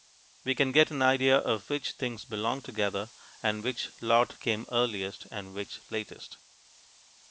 We can get an idea of which things belong together and which lot came earliest and which latest.